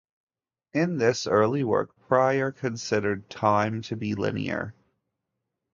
In this early work, Prior considered time to be linear.